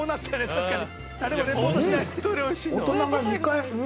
確かに。